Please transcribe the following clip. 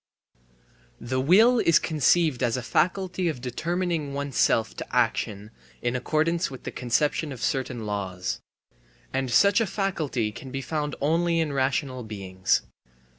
The will is conceived as a faculty of determining oneself to action in accordance with the conception of certain laws. And such a faculty can be found only in rational beings.